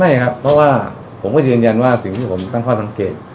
ไม่ครับเพราะว่าผมก็ยืนยันว่าสิ่งที่ผมตั้งข้อสังเกต